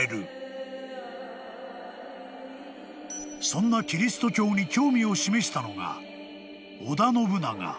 ［そんなキリスト教に興味を示したのが］